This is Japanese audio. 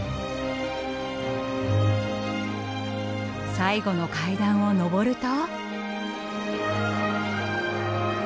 最後の階段を上ると。